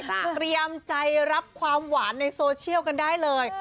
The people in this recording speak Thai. เตรียมใจรับความหวานในโซเชียลกันได้เลย